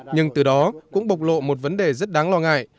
nhưng từ đó cũng bộc lộ một vấn đề rất đáng lo ngại